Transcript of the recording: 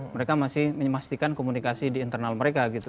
mereka masih memastikan komunikasi di internal mereka gitu